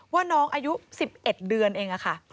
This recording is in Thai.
ว่าน้องอายุ๑๑เดือนเองค่ะ